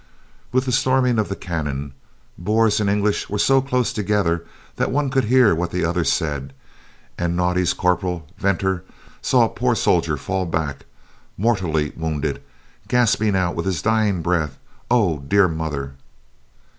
With the storming of the cannon, Boers and English were so close together that the one could hear what the other said, and Naudé's corporal, Venter, saw a poor soldier fall back mortally wounded, gasping out with his dying breath, "Oh, dear mother!"